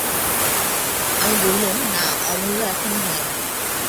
আমি বললুম, না অমূল্য, এখনো হয় নি।